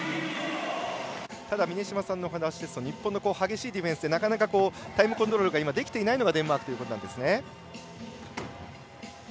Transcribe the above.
ただ、峰島さんの話ですと日本の激しいディフェンスでなかなかタイムコントロールができていないのがデンマークということですね。